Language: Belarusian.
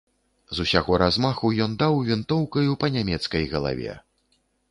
З усяго размаху ён даў вінтоўкаю па нямецкай галаве.